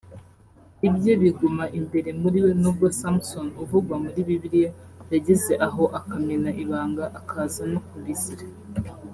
ibye biguma imbere muri we nubwo Samson uvugwa muri Bibiliya yageze aho akamena ibanga akaza no kubizira